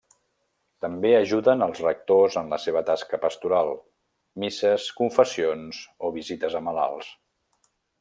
També ajuden els rectors en la seva tasca pastoral: misses, confessions o visites a malalts.